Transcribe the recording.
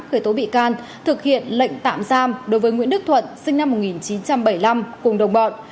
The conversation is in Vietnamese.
khởi tố bị can thực hiện lệnh tạm giam đối với nguyễn đức thuận sinh năm một nghìn chín trăm bảy mươi năm cùng đồng bọn